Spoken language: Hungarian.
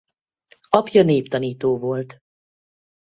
Apja néptanító volt.